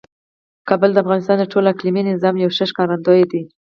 کابل د افغانستان د ټول اقلیمي نظام یو ښه ښکارندوی دی.